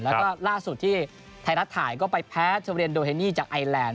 แล้วก็ล่าสุดที่ไทยรัฐถ่ายก็ไปแพ้โทเรียนโดเฮนี่จากไอแลนด